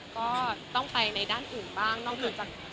ก็ต้องไปในด้านอื่นบ้างนอกเหนือจาก